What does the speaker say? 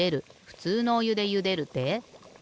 ふつうのおゆでゆでるで。